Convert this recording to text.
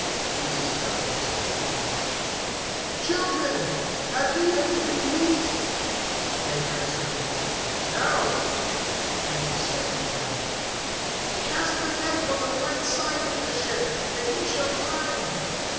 (5)Jesus therefore says to them: Children, have ye anything to eat? They answered him: No. (6)And he said to them: Cast the net on the right side of the ship, and ye shall find.